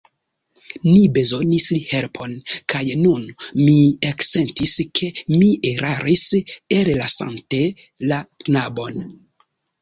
Ni bezonis helpon, kaj nun mi eksentis, ke mi eraris, ellasante la knabon.